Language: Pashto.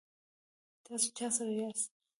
تاسو چا سره یاست؟